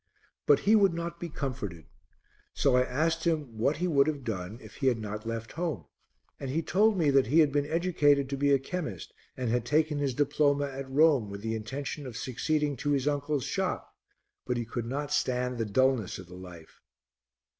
But he would not be comforted; so I asked him what he would have done if he had not left home, and he told me that he had been educated to be a chemist and had taken his diploma at Rome with the intention of succeeding to his uncle's shop, but he could not stand the dulness of the life.